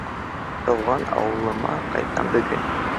Тыуған ауылыма ҡайтам бөгөн.